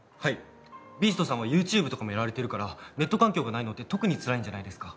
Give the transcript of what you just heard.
ビーストさんは「ＹｏｕＴｕｂｅ」とかもやられてるからネット環境がないのって特につらいんじゃないですか？